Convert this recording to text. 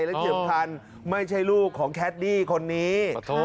และเฉียบคันไม่ใช่ลูกของแคดดี้คนนี้